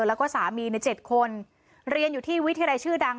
แล้วก็สามีใน๗คนเรียนอยู่ที่วิทยาลัยชื่อดัง